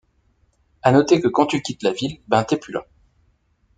A noter que quand tu quitte la ville ben Taipu là.